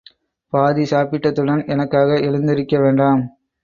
பாதி சாப்பிட்டதுடன் எனக்காக எழுந்திருக்க வேண்டாம்.